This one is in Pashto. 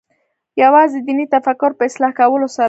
یوازې د دیني تفکر په اصلاح کولو سره.